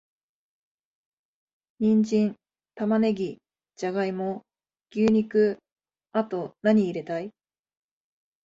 ニンジン、玉ネギ、ジャガイモ、牛肉……あと、なに入れたい？